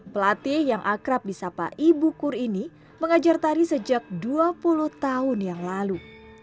pelatih yang akrab di sapa ibu kur ini mengajar tari sejak dua puluh tahun yang lalu